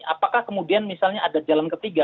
apakah kemudian misalnya ada jalan ketiga